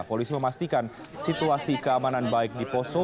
polisi memastikan situasi keamanan baik di poso